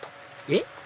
えっ？